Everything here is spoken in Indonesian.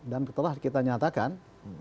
dan setelah kita nyatakan